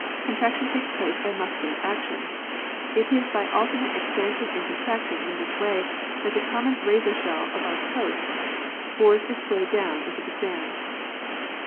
Contraction takes place by muscular action. It is by alternate expansion and contraction in this way that the common razor shell of our coasts bores its way down into the sand.